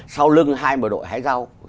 sau lưng hai bộ đội hái rau